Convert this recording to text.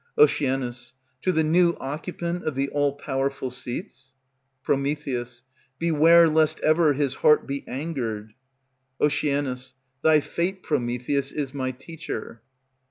Oc. To the new occupant of the all powerful seats? Pr. Beware lest ever his heart be angered. Oc. Thy fate, Prometheus, is my teacher.